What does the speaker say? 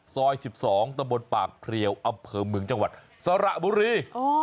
ซอย๑๒ตะบนปากเพลียวอำเภอเมืองจังหวัดสระบุรี